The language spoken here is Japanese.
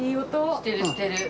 してるしてる。